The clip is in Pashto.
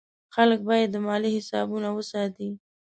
خلک باید د مالیې حسابونه وساتي.